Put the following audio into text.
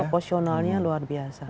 ini proporsionalnya luar biasa